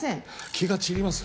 気が散ります。